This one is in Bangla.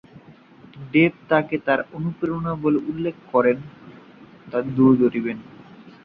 ডেপ তাকে তার অনুপ্রেরণা বলে উল্লেখ করেন।